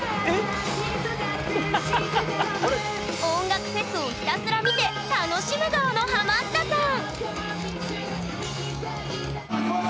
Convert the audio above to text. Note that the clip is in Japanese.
音楽フェスをひたすら見て楽しむ側のハマったさん！